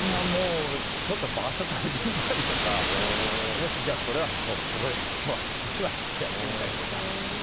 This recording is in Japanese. ちょっと場所変えてみたりとかよし、これはここで今日はおしまいってやってみたりとか。